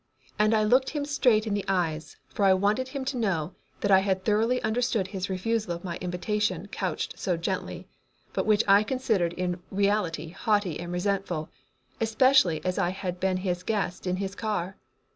And I looked him straight in the eyes, for I wanted him to know that I had thoroughly understood his refusal of my invitation couched so gently, but which I considered in reality haughty and resentful, especially as I had been his guest in his car.